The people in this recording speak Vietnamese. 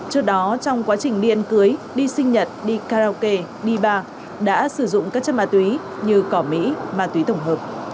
trước đó trong quá trình đi ăn cưới đi sinh nhật đi karaoke đi ba đã sử dụng các chất ma túy như cỏ mỹ ma túy tổng hợp